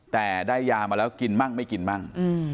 แต่ได้ยามาแล้วกินมั่งไม่กินมั่ง